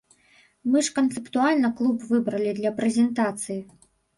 Мы ж канцэптуальна клуб выбралі для прэзентацыі!